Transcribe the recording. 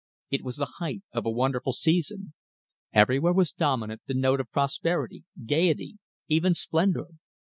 It was the height of a wonderful season. Everywhere was dominant the note of prosperity, gaiety, even splendour.